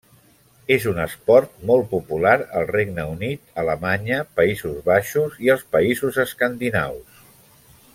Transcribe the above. És un esport molt popular al Regne Unit, Alemanya, Països Baixos i els països escandinaus.